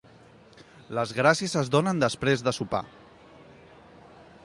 Les gràcies es donen després de sopar.